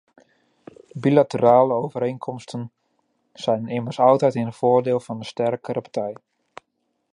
Bilaterale overeenkomsten zijn immers altijd in het voordeel van de sterkere partij.